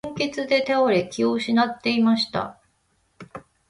貧血で倒れ、気を失っていました。